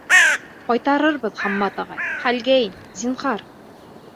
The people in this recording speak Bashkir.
— Ҡайтарырбыҙ, Хаммат ағай, хәлгә ин, зинһар.